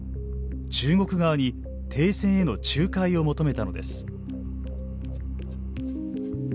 中国側に停戦への仲介を求めたのです。